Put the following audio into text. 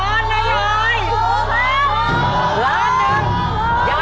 ล้านหนึ่งยายได้สาบานได้หลังตัว